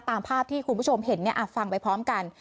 ตามภาพที่คุณผู้ชมเห็นฟังไปพร้อมกัน